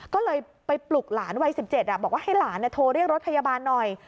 ก็เลยไปปลุกหลานวัย๑๗บอกว่าให้หลานโทรเรียกรถพยาบาลหน่อย